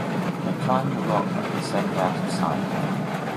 They climb the rock and descend out of sight.